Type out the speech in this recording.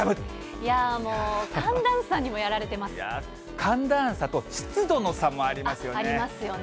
いやー、もう、寒暖差にもや寒暖差と湿度の差もありますありますよね。